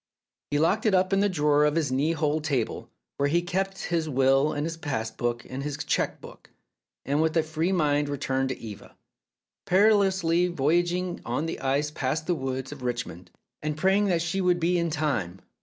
He locked it up in the drawer of his knee hole table, where he kept his will and his pass book and his cheque book, and with a free mind returned to Eva, perilously voyaging on the ice past the woods of Richmond, and praying that she should be "in 294 Philip's Safety Razor time."